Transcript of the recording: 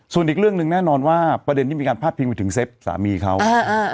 ส่วนอีกเรื่องหนึ่งแน่นอนว่าประเด็นที่มีการพาดพิงไปถึงเซฟสามีเขาอ่า